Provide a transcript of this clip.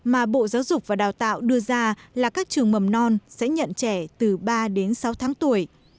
mà bộ giáo dục và đào tạo đưa ra là các trường mầm non sẽ nhận trẻ từ ba đến sáu tháng tuổi